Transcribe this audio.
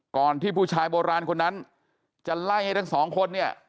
ที่ผู้ชายโบราณคนนั้นจะไล่ให้ทั้งสองคนเนี่ย